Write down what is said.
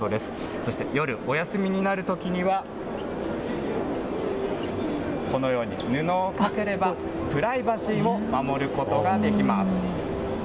そして夜、お休みになるときには、このように布をかければ、プライバシーも守ることができます。